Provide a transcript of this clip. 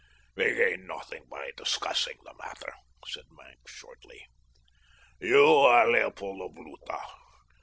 "We gain nothing by discussing the matter," said Maenck shortly. "You are Leopold of Lutha.